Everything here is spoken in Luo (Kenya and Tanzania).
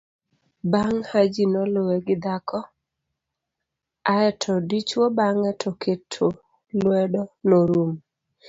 bang' Haji to noluwe gi dhako aeto dichuwo bang'e to keto luedo norumo